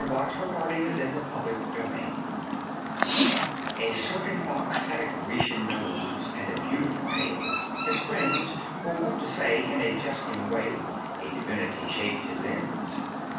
THE ABBREVIATED FOX AND HIS SCEPTICAL COMRADES A certain fox had a Grecian nose And a beautiful tail. His friends Were wont to say in a jesting way A divinity shaped his ends.